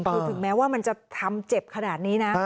คือถึงแม้ว่ามันจะทำเจ็บขนาดนี้นะ